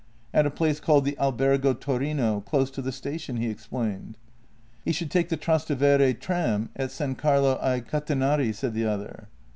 " At a place called the Albergo Torino, close to the station," he explained. " He should take the Trastevere tram at San Carlo ai Cat enari," said the other.